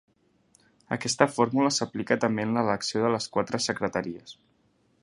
Aquesta fórmula s’aplica també en l’elecció de les quatre secretaries.